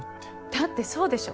だってそうでしょ。